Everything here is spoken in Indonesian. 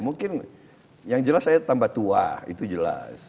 mungkin yang jelas saya tambah tua itu jelas